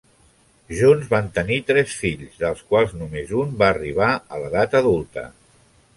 Junts van tenir tres fills, dels quals només un va arribar a l'edat adulta.